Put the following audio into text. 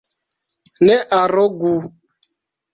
Ne arogu!